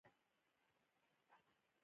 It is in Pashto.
هغوی په پاک شعله کې پر بل باندې ژمن شول.